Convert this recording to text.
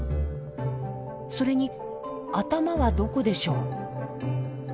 それに頭はどこでしょう？